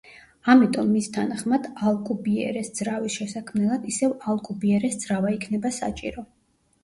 ამიტომ მის თანახმად ალკუბიერეს ძრავის შესაქმნელად ისევ ალკუბიერეს ძრავა იქნება საჭირო.